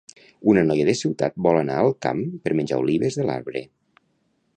Una noia de ciutat vol anar al camp per menjar olives del arbre